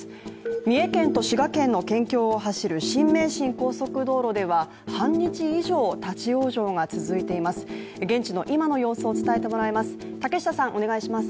三重県と滋賀県の県境を走る新名神高速道路では半日以上、立往生が続いています。